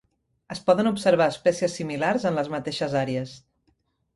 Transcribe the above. Es poden observar espècies similars en les mateixes àrees.